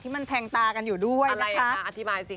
ที่มันแทงตากันอยู่ด้วยนะคะอะไรอ่ะคะอธิบายสิคะ